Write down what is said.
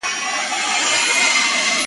څه اختلاف زړه مي ستا ياد سترګي باران ساتي-